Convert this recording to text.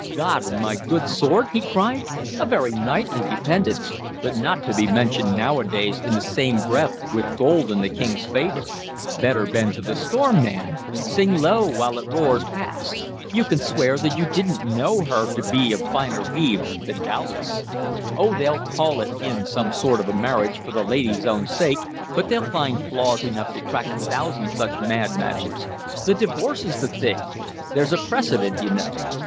"God and my good sword!" he cried. "A very knightly dependence, but not to be mentioned nowadays in the same breath with gold and the King's favor. Better bend to the storm, man; sing low while it roars past. You can swear that you did n't know her to be of finer weave than dowlas. Oh, they'll call it in some sort a marriage, for the lady's own sake; but they'll find flaws enough to crack a thousand such mad matches. The divorce is the thing! There's precedent, you know.